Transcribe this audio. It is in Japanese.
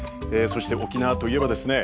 そして沖縄といえばですね